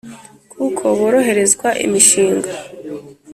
kuko boroherezwa imishinga,